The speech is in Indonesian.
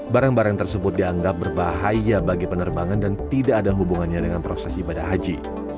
barang barang tersebut dianggap berbahaya bagi penerbangan dan tidak ada hubungannya dengan proses ibadah haji